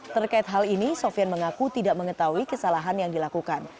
terkait hal ini sofian mengaku tidak mengetahui kesalahan yang dilakukan